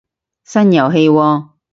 新遊戲喎